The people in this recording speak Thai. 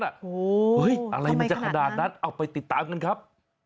เฮ้ยอะไรมันจะขนาดนั้นเอาไปติดตามกันครับ